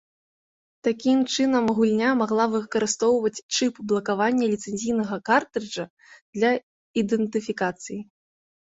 Такі чынам, гульня магла выкарыстоўваць чып блакавання ліцэнзійнага картрыджа для ідэнтыфікацыі.